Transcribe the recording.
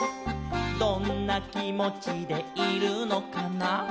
「どんなきもちでいるのかな」